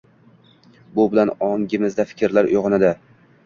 Bu bilan ongimizda fikrlar uyg‘onadi